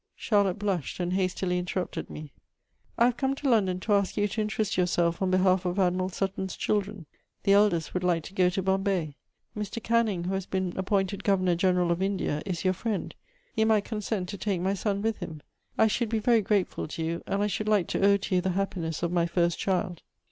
Charlotte blushed, and hastily interrupted me: "I have come to London to ask you to interest yourself on behalf of Admiral Sutton's children. The eldest would like to go to Bombay. Mr. Canning, who has been appointed Governor General of India, is your friend; he might consent to take my son with him. I should be very grateful to you, and I should like to owe to you the happiness of my first child."